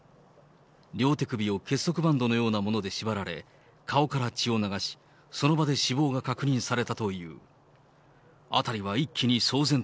両手首を結束バンドのようなもので縛られ、顔から血を流し、その場で死亡が確認されたという。